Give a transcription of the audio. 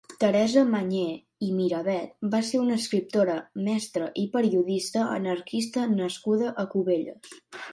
Teresa Mañé i Miravet va ser una escriptora, mestra i periodista anarquista nascuda a Cubelles.